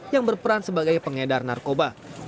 yang berperan sebagai pengedar narkoba